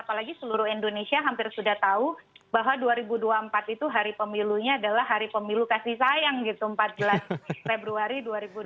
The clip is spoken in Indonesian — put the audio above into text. apalagi seluruh indonesia hampir sudah tahu bahwa dua ribu dua puluh empat itu hari pemilunya adalah hari pemilu kasih sayang gitu empat belas februari dua ribu dua puluh